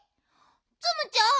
ツムちゃん